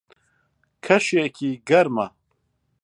کەشێکی گەرمە.